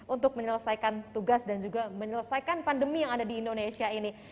untuk menyelesaikan tugas dan juga menyelesaikan pandemi yang ada di indonesia ini